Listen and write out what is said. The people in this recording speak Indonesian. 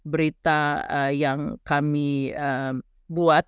berita yang kami buat